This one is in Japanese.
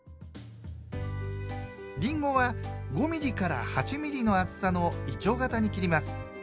りんごは５ミリから８ミリの厚さのいちょう形に切ります。